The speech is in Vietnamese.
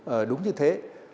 ờ đúng như thế